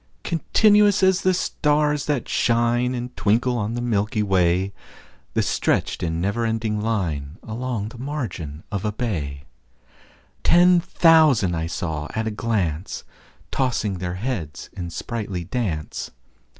Continuous as the stars that shine And twinkle on the milky way, The stretched in never ending line Along the margin of a bay: Ten thousand saw I at a glance, Tossing their heads in sprightly dance.